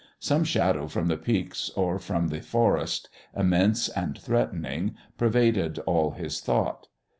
Some shadow from the peaks or from the forest, immense and threatening, pervaded all his thought.